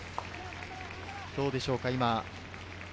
どうでしょうか？